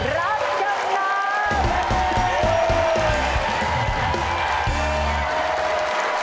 รับจำนำ